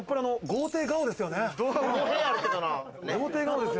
豪邸顔ですよね。